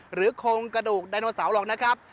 โครงกระดูกไดโนเสาร์หรอกนะครับ